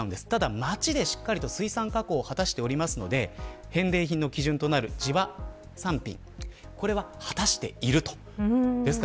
町でしっかり水産加工を果たしているので返礼品の基準となる地場産品というのは果たしています。